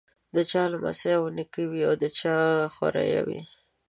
د چا لمسی او نیکه وي او د چا خوريی وي.